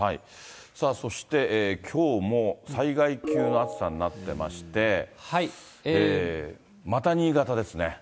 さあそして、きょうも災害級の暑さになってまして、また新潟ですね。